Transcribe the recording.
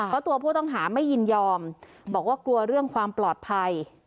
เพราะตัวผู้ต้องหาไม่ยินยอมบอกว่ากลัวเรื่องความปลอดภัย